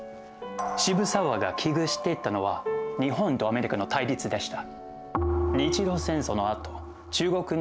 渋沢が危惧していたのは日本とアメリカの対立でした。